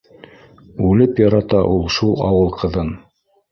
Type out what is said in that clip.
Үлеп ярата ул шул ауыл ҡыҙын